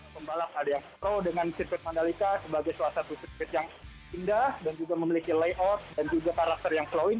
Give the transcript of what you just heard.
pembalap ada yang pro dengan sirkuit mandalika sebagai suatu sirkuit yang indah dan juga memiliki layout dan juga para raster yang flowing